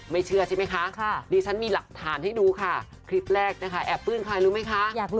เชื่อใช่ไหมคะดิฉันมีหลักฐานให้ดูค่ะคลิปแรกนะคะแอบปื้นใครรู้ไหมคะ